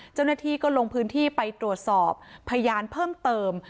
เจ้าหน้าที่ก็ลงพื้นที่ไปตรวจสอบพยานเพิ่มเติม